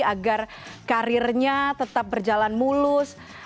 agar karirnya tetap berjalan mulus